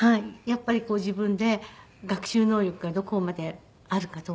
やっぱり自分で学習能力がどこまであるかどうかっていうのを。